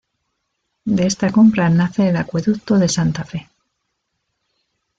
De esta compra nace el Acueducto de Santa Fe.